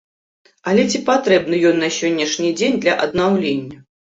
Але ці патрэбны ён на сённяшні дзень для аднаўлення?